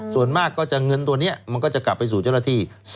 ส่วนมากก็จะเงินตัวนี้มันก็จะกลับไปสู่เจ้าหน้าที่